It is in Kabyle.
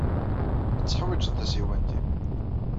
Ad teḥwijeḍ tasiwant-nnem.